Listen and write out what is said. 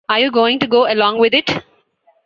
Are you going to go along with it?